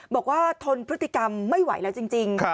ทนพฤติกรรมไม่ไหวแล้วจริง